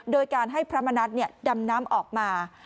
โดยการให้พระมณัฐดำน้ำออกมา